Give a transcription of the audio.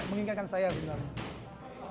menginginkan saya sebenarnya